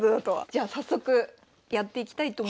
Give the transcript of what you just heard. じゃあ早速やっていきたいと思います。